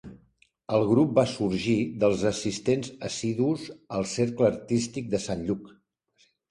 El grup va sorgir dels assistents assidus al Cercle Artístic de Sant Lluc.